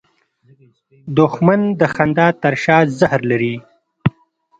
دښمن د خندا تر شا زهر لري